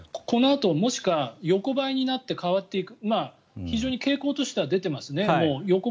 このあと、もしくは横ばいになって変わっていく非常に傾向としては出ていますね。